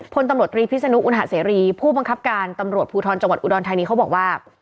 พลตำรวจตรีพิศนุอุณหาเสรีผู้บังคับการตำรวจภูทรจังหวัดอุดรธานีเขาบอกว่า